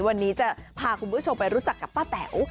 วันนี้จะพาคุณผู้ชมไปรู้จักกับป้าแต๋ว